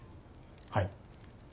はい。